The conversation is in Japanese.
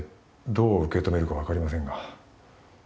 どう受け止めるか分かりませんが